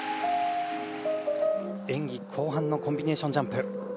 演技後半のコンビネーションジャンプ。